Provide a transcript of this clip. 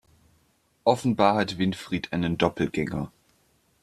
Offenbar hat Winfried einen Doppelgänger.